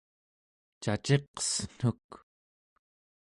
caciqsen̄uk?